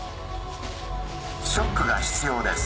ショックが必要です。